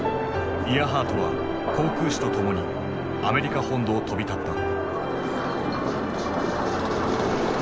イアハートは航空士とともにアメリカ本土を飛び立った。